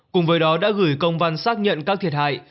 cùng với đó đã gửi công văn xác nhận các thiệt hại